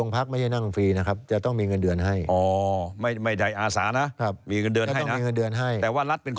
ทุกอย่างจะต้องเข้าสู่ระบบ